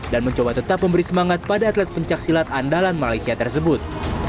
dan mencoba tetap memberi semangat pada atlet pencak silat andalan malaysia tersebut